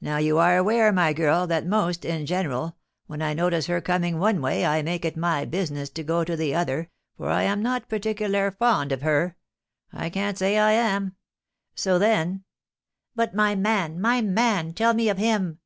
Now you are aware, my girl, that most, in general, when I notice her coming one way, I make it my business to go the other, for I am not particular fond of her, I can't say I am. So then " "But my man my man! Tell me of him!"